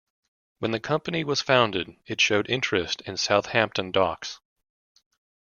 When the company was founded it showed interest in Southampton Docks.